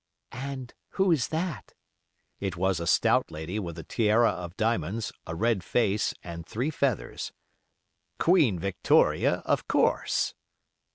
"And who is that?" It was a stout lady with a tiara of diamonds, a red face, and three feathers. "Queen Victoria, of course."